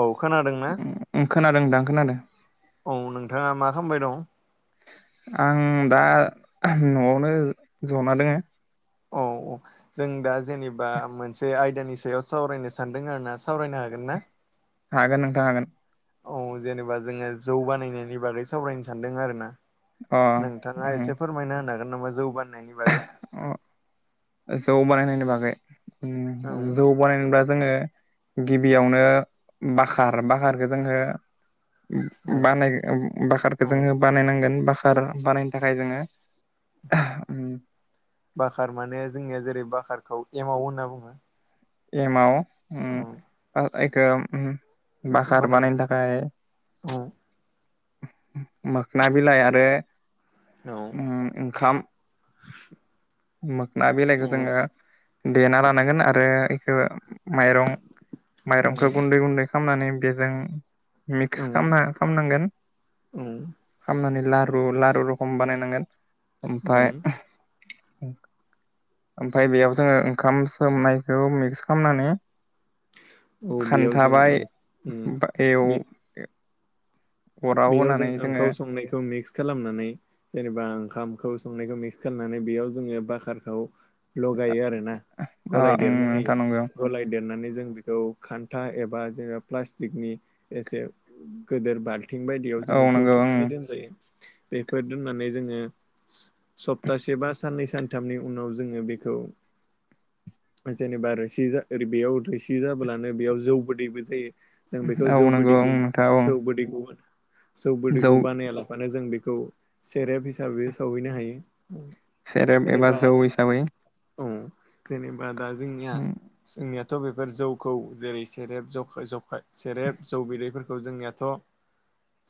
औ खोनादों ना। उम खोनादों दां खोनादो। औ नोंथाङा माखामबायदं। आंदा नआवनो जना दोङो। औ औ जोंदा जेनेबा मोनसे आयदानि सायाव सावरायनो सानदों आरोना सावरायनो हागोनना। हागोन नोंथां हागोन। औ जेनेबा जोङो जौ बानायनायनि बागै सावरायनो सानदों आरोना। अ नोंथाङा उम एसे फोरमायनाहोनो हागोन नामा जौ बानायनायनि बागै। ओह जौ बानायनायनि बागै औ उम जौ बानायनोबा जोङो। गिबियावनो बाखार बाखारखो जोङो। उम औ उम बानाय उम औ बखारखो जोङो बानायनांगोन बा खार बानायनो थाखाय जोङो उम। बाखार माने जोंनिया जेरै बाखारखौ एमाव होनना बुङो। एमाव। उम ओयखो उम बाखार बानायनो थाखाय। औ औ मोखना बिलाइ आरो उम ओंखाम। मोखना बिलाइखौ जोङो देना लानांगोन आरो इखो माइरं औ माइरंखौ गुन्दै गुन्दै खामनानै बेजों औ मिक्स खामना खामनांगोन खामनानै लारु लारु रखम बानायनांगोन औ ओमफाय ओमफाय बेयाव जोङो ओंखाम सोमनायखौ मिक्स खालामनानै औ बेयाव जों खानथाबाय ओं बायाव बे बेयाव जों ओंखाम संनायखौ मिक्स खालामनानै जेनेबा ओंखामखौ संनायखौ मिक्स खालामनानै बेयाव जोङो बाकारखौ लगायो आरोना ओ गलाय ओं देरना होयो नोंथां नंगौ गलाय देरनानै जों बिखौ खान्था एबा जेनेबा प्लास्टिकनि एसे गोदोर बाल थिं बायदियाव जोङो औ नंगौ ओं जथुमनानै दोनजायो बेफोर दोननानै जोङो सप्तासे बा साननै सानथामनि उनाव जोङो बेखौ जेनेबा रोसि जा ओरै बेयाव रोसि जाब्लानो बेयाव जौबोदैबो जायो जों बेखौ औ जौ नंगौ ओं बोदैखौ नोंथां औ जौ बोदैखौहाय जौ बोदैखौ बानाया लाफानो जों बेखौ सेरेप हिसाबै सावहैनो हायो सेरेब एबा जेनेबा जौ हिसाबै औ जेनेबा दा जोंनिया जोंनिया थ' बेफोर जौखौ जेरै सेरेब जखाय जखाय सेरेब जौ बिदैफोरखौ जोंनियाथ'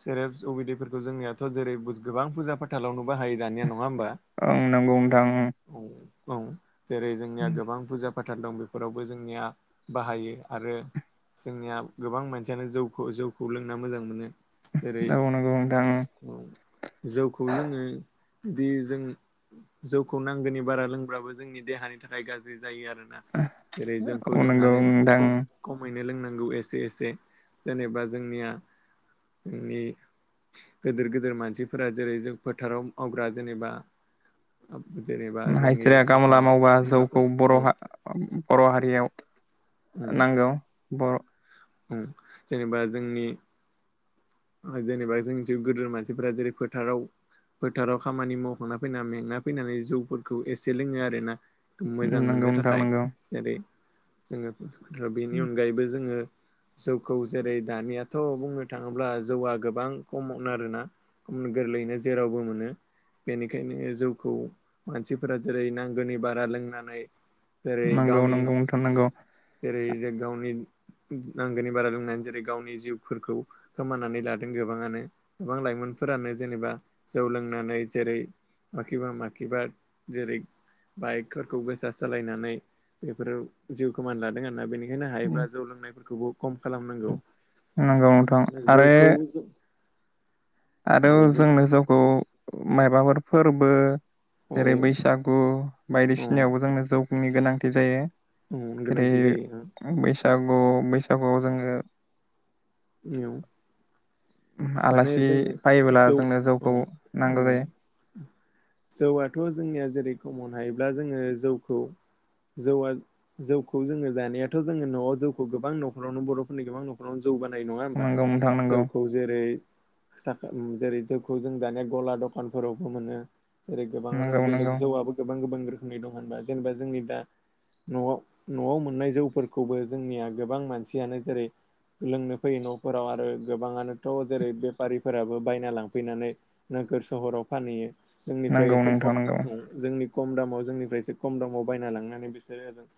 सेरेपस जौ बिदैफोरखौ जोंनियाथ' जेरै गोबां फोजा फाथालाव बो दानिया नङा होमबा ओं नंगौ नोंथां औ जेरै जोंनिया गोबां फुजा फाथाल दं बेफोरावबो जोंनिया बाहायो आरो जोंनिया गोबां मानसियानो जौखौ जौखौ लोंना मोजां मोनो जेरै नंगौ नोंथां जौखौ जोङो बिदि जों जौखौ नांगौनि बारा लोंब्लाबो जोंनि देहानि थाखाय गाज्रि जायो आरोना जेरै जोंखौ औ जों नंगौ नोंथां खमैनो लोंनां नोंगौ एसे एसे जेनेबा जोंनिया उम गिदिर गिदेर मानसिफोरा जेरै जों फोथाराव मावग्रा जेनेबा जेनेबा जोंनि [unintelligible] आफा गामला मावबा जौखौ बिमाफोरा बर'हा बर' हारियाव औ नोंगौ बर' जेनेबा जोंनि जेनेबा जोंनिथि गोदोर मानसिफोरा जेरै फोथाराव फोथाराव खामानि मावखांना फैना मेंना फैनानै जौफोरखौ एसे लोङो आरोना। मोजां नंगौ मोननो नोंथां थाखाय नंगौ जेरै जोङो बेनि अनगायैबो जोङो जौखौ जेरै दानियाथ' बुंनो थाङो ब्ला जौआ गोबां खमावनो आरोना गोरलैयैनो जेरावबो मोनो। बेनिखायनो जौखौ मानसिफोरा जेरै नांगौनि बारा लोंनानै जेरै नंगौ गावनि नंगौ नोंथां नंगौ जेरै गावनि नांगौनि बारा लोंनानै जेरै गावनि जिउफोरखौ खोमानानै लादों गोबाङानो गोबां लाइमोनफोरानो जेनेबा जौ लोंनानै जेरै माखिबा माखिबा जेरै बाइकफोरखौ गोसा सालायनानै बेफोराव जिउ खोमान लादों आरोना बेनि होनो हायोब्ला जौ लोंनायफोरखौबो खम खालामनांगौ नंगौ नोंथां आरो जौखौ जों आरो औ जोंनो गावखौ माबाफोर फोरबो औ जेरै बैसागु औ बायदिसिनायावबो जोंनो जौनि गोनांथि जायो औ जेरै गोनांथि जायो औ बैसागु बैसागुआव जोङो [unintelligible] माने आलासि जोङो फायोब्ला जौ जोंनो औ जौखौ नांगौ उम। जायो जौआथ' जोंनिया जेरै खमनो हायोब्ला जोङो जौखौ जौआ जौखौ जोङो जानायाथ' जोङो न'आव जौखौ गोबां न'खरावनो बर'फोरनि गोबां न'खरावनो ज जौ बानायो नङा होमबा नंगौ नोंथां नंगौ जौखौ जेरै साखो जेरै जौखौ जों दानिया गला दखानफोरावबो मोनो जेरै गोबाङानो नंगौ बेलेग नंगौ जौआबो गोबां गोबां रोखोमनि दं होनबा जेनेबा जोंनि दा नआव नआव मोननाय जौफोरखौबो जोंनिया गोबां मानसियानो जेरै लोंनो फैयो नफोराव आरो गोबाङानोथ जेरै बेफारिफोराबो बायना लांफैनानै नोगोर सहराव फानहैयो जोंनिफ्राय नंगौ एसे नोंथां खम नंगौ जोंनिफ्राय खम दामाव जोंनिफ्राय एसे खम दामाव बायना लांनानै बिसोरो ओजों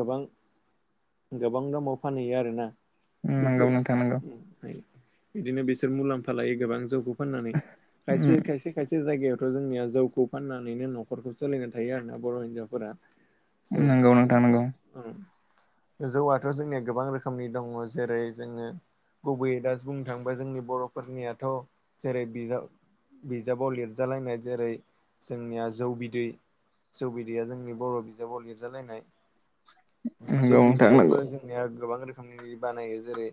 गोबां गोबां दामाव फानहैयो आरोना बिसोर नंगौ नोंथां बिदिनो बिसोर मुलाम्फा लायो गोबां जौखौ फाननानै नंगौ खायसे खायसे खायसे जायगायाव बे जोंनिया जौखौ फाननानैनो नखरखौ सोलिना थायो आरोना बर हिनजावफोरा जौ नंगौ नोंथां नंगौ औ जौआथ जोंनिया गोबां रोखोमनि दङ जेरै जोङो गुबैयै दास बुंनो थाङोबा जोंनि बरफोरनियाथ‌ जेरै बिजाब बिजाबाव लिरजालायनाय जेरै जोंनिया जौ बिदै जौ बिदैया जोंनि बर बिजाबाव लिरजालायनाय जौ नंगौ नोंथां बिदैआवबो नंगौ जोंनिया गोबां रोखोमनि बानायो जेरै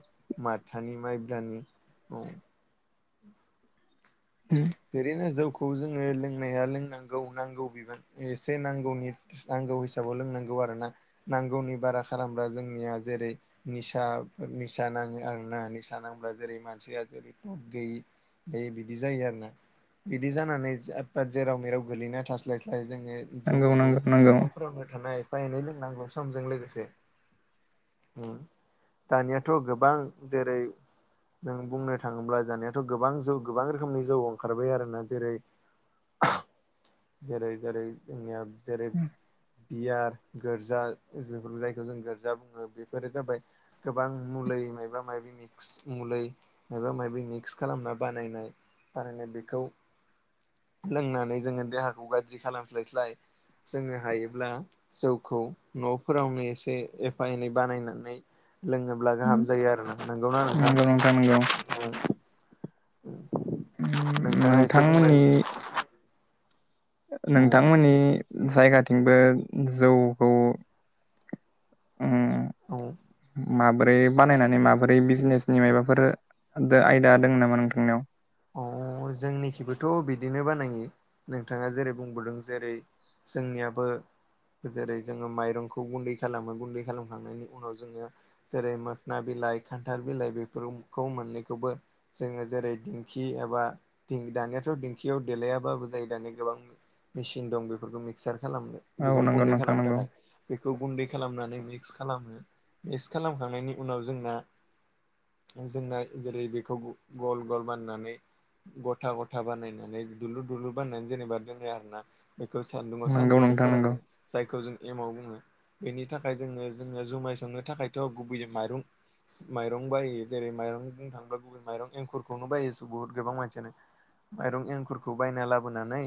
माथानि माइब्रानि ओेरैनो जौखौ जोङो लोंनाया लोंनांगौ नांगौ बिबांनि एसे नांगौनि गौ हिसाबाव लोंनांगौ आरो ना नांगौनि बारा खालामब्ला जोंनिया जेरै निसा बेबायदि निसा नाङो आरोना निसा नांब्ला जेरै मानसिया जेरै टत गैयि बिदि जायो आरो ना बिदि जानानै जाद पाद जेराव मेराव गोलैना थास्लाय स्लाय जोङो जौ नंगौ फोरखौ नंगौ नंगौ नफोरावनो थानाय एफा एनै लोंनांगौ समजों लोगोसे ओ दानियाथ गोबां जेरै नों बुंनो थाङोब्ला दानियाथ गोबां जौ गोबां रोखोमनि जौ ओं ओंखारबाय आरोना जेरै जेरै जेरै जोंनिया जेरै बियार गोर्जा बेफोर जायखौ जों गोर्जा बुङो बेफोरो जाबाय गोबां मुलै मायबा मायबि मिक्स मुलै मायबा मायबि मिक्स खालामना बानायनाय। थारैनो बेखौ लोंनानै जोङो देहाखौ गाज्रि खालामस्लाय स्लाय जोङो हायोब्ला जौखौ नफोरावनो एसे एफा एनै बानायनानै लोङोब्ला गाहाम जायो आरो ना नंगौना नंगौ नंगौ नोंथां? उम नोंथाङा एसे बुंलाय नोंथांमोननि औ नोंथांमोननि जायगाथिंबो जौखौ उम औ माबोरै बानायनानै माबोरै बिजनेसनि मायबाफोर दो आयदा‌ दङ नामा नोंथांनियाव? औ जोंनिखिबोथ‌' बिदिनो बानायो नोंथाङा जेरै बुंबोदों जेरै जोंनियाबो जेरै जोङो माइरंखौ गुन्दै खालामो गुन्दै खालामखांनायनि उनाव जोङो जेरै मोखोना बिल लाइ खान्थाल बिलाइ बेफोरो मोननै खौबो जोङो जेरै दिंखि एबा दानियाथ दिंखियाव देलायाबाबो जायो दानिया गोबां मेसिन दं बेफोरखौ मिक्सार आसाराम औ बेखौ नंगौ गुन्दै नोंथां खालामनो नंगौ थाखाय बेखौ बे खालामनानै मिक्स खालामो मिक्स खालामखांनायनि उनाव जोंना जोंना जेरै बेखौ गल गल बाननानै गथा गथा बानायनानै दुलुर दुलुर बाननानै जेनेबा दोनो आरो ना। बेखौ सान्दुंआव नंगौ सानसेसो नोंथां नंगौ फोरानो जायखौ जों एमाव बुङो बेनि थाखाय जोङो जोङो जुमाय संनो थाखायथ गुबैयै माइरं माइरं बायो जेरै माइरं बुंनो थांबा गुबै माइरं एंखुरखौनो बायो बुहुत गोबां मानसियानो। माइरं एंखुरखौ बायना लाबोनानै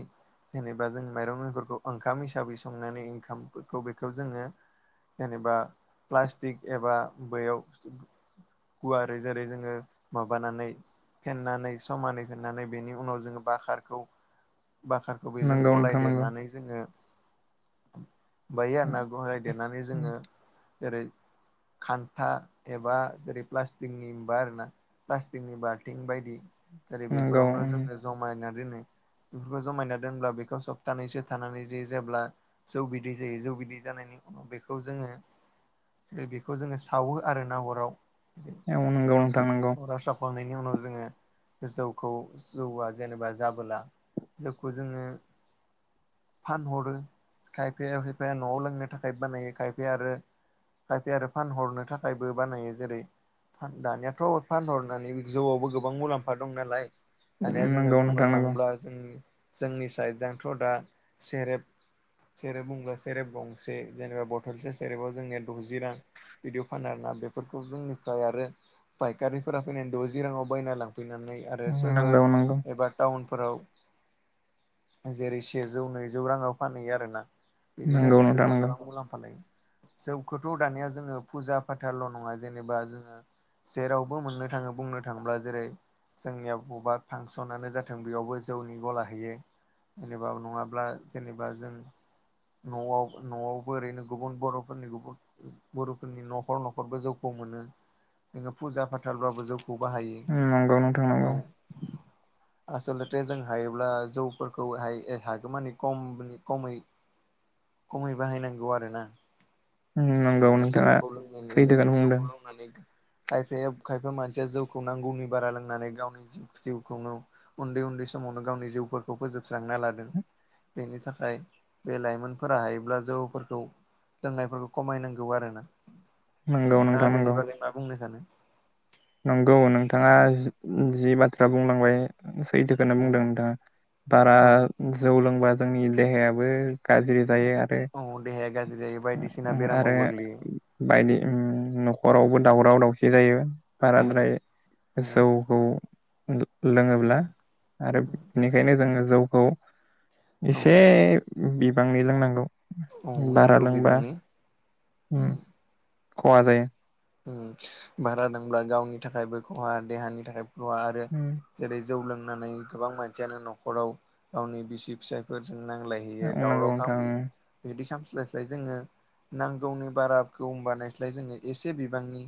जेनेबा जों माइरं एंखुरखौ ओंखाम हिसाबै संनानै ओंखामफोरखौ बेखौ जोङो जेनेबा प्लास्टिक एबा बैयाव गुवारै जेरै जोङो माबानानै फेन्नानै समानै फेन्नानै बेनि उनाव जोङो बाखारखौ बाखारखौ बेजों नंगौ नोंथां नंगौ गलायदेरनानै जोङो बायो आरोना गाहाइ देरनानै जोङो जेरै खान्था एबा जेरै प्लास्टिकनि बार आरोना प्लास्टिकनि बार फटिं बायदि जेरै नंगौ बेफोरावनो जोङो जमायना दोनो। बेफोरखौ जमायना दोनब्ला बेखौ सप्तानैसो थानानै जायो जेब्ला जौ बिदै जायो जौ बिदै जानायनि बेखौ जोङो बेखौ जोङो सावो आरो ना अराव। औ नोंगौ नोंथां नोंगौ। खांनायनि उनाव जोङो जौखौ जौआ जेनेबा जाबोला जौखौ जोङो फानहरो खायफाया खायफाया न'आव लोंनो थाखाय बानायो खायफाया आरो खायफाया आरो फानहरनो थाखायबो बानायो जेरै दानियाथ' फानहरनानै जौआवबो गो बां मुलाम्फा दं नालाय दानिया जोङो नंगौ बुंनो नोंथां नंगौ थाङोब्ला जोंनि जोंनि साइडजोंथ' दा सेरेब सेरेब बुंब्ला सेरेब गंसे जेनेबा बथलसे सेरेबाव जोंनिया द'जि रां। बिदिआव फानो आरोना बेफोरखौ जोंनिफ्राय आरो फायखारिफोरा फैनानै द'जि राङाव बायना लांफैनानै आरो नंगौ सोहोर नंगौ एबा टाउन फोराव जेरै सेजौ नैजौ राङाव फानहैयो आरो ना। बिदिनो नोंथां बिसोरबो नंगौ गोबां मुलाम्फा लायो। जौखौथ' दानिया जोङो फुजा फाथाल' नङा जेनेबा जोङो जेरावबो मोननो थाङो बुंनो था थांब्ला जेरै जोंनिया बबेबा फांसनानो जाथों बेयावबो जौनि गला हैयो। जेनेबा नङाब्ला जेनेबा जों न'आव न'आवबो ओरैनो गुबुन बर'फोरनि गुबुन बर'फोरनि न'खर न'खरबो जौखौ मोनो जोङो फुजा फाथालबाबो जौ उम नंगौ नोंथां नोंगौ। आसलथे जों हायोब्ला जौफोरखौ हाय हागौ मानि खम खमै खमै बाहायनांगौ आरोना। उम नंगौ औ नोंथाङा जौखौ लोंनानै जों सैथोखौनो बुंदों जौखौ लोंनानै खायफाया खायफा मान सिया जौखौ नांगौनि बारा लोंनानै गावनि जिउखौनो उन्दै उन्दै समावनो गावनि जिउफोरखौ फोजोब जोबस्रांना लादों बेनि थाखाय बे लाइमोनफोरा हायोब्ला जौफोरखौ लोंनायफोरखौ खमायनांगौ आरोना नंगौ नोंथां नोंथाङा नंगौ बेनि बागै मा बुंनो सानो? नंगौ नोंथाङा जि जि बाथ्रा बुंलांबाय‌ सैथोखोनो औ बुंदों नोंथाङा बारा औ जौ लोंबा जोंनि देहायाबो गाज्रि औ जायो आरो औ देहाया गाज्रि जायो एबा आरो बायदि ओम न'खरावबो दावराव दावसि जायो। औ बाराद्राय औ जौखौ लोङोब्ला औ आरो बेनिखायनो जोङो जौखौ औ एसे बिबांनि लोंनांगौ औ बारा नांगौ लोंबा बिबांनि उम खहा जायो। उम बारा लोंब्ला गावनि थाखायबो खहा देहानि थाखाय खहा आरो उम जेरै जौ लोंनानै गोबां मानसियानो न'खराव गावनि बिसि फिसायफोर जों नांलायहैयो नंगौ दावराव नोंथां खालामहैयो बिदि स्लायस्लाय जोङो नांगौनि बाराखौ बानायस्लाय जोङो एसे बिबांनि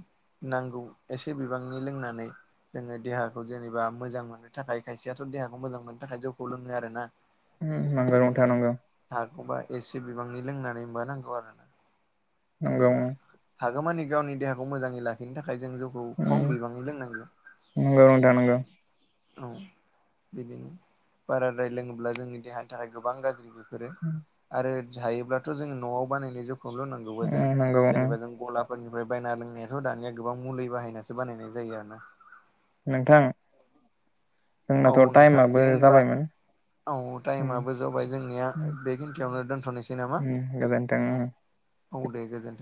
नांगौ एसे बिबांनि लोंनानै जोङो देहाखौ जेनेबा मोजां मोननो थाखाय खायसेयाथ' देहाखौ मोजां मोननो थाखाय जौखौ लोङो आरोना। नंगौ नोंथां नंगौ। बा एसे बिबांनि लोंनानै मा नांगौ आरोना। नंगौ जेनेबा उम हागौमानि गावनि देहाखौ मोजाङै लाखिनो था खाय जों जौखौ खम बिबांनि लोंनांगौ उम नंगौ नोंथां नंगौ औ बिदिनो बाराद्राय लोङोब्ला जोंनि देहानि थाखाय गोबां गाज्रि। बेफोरो आरो जायोब्लाथ' जों न'आव बानायनाय जौखौ खौ लोंनांगौबा जों उम नंगौ उम जेनेबा जों गलाफोरनिफ्राय बायना लों नाथाय दानिया गोबां मुलि बाहायनासो बानायनाय जायो आरो ना नोंथां औ जोंनाथ' नोंथां दे टाइमाबो होनबा जाबायमोन। औ उम टाइमाबो जाबाय जोंनिया उम बे खिनथियावनो दोनथ'नोसै नामा उम गोजोनथों उम। औ दे गोजोन